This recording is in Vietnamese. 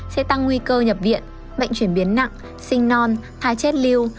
sẽ tăng nguy cơ nhập viện bệnh chuyển biến nặng sinh non thai chết lưu